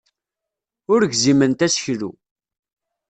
Ur gziment aseklu.